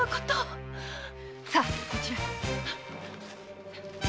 さこちらへ。